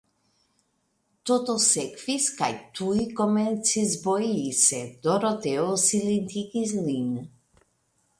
Toto sekvis, kaj tuj komencis boji, sed Doroteo silentigis lin.